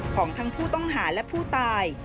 ของทั้งผู้ต้องหาและผู้ตาย